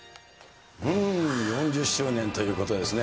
うーん、４０周年ということですね。